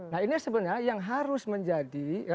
nah ini sebenarnya yang harus menjadi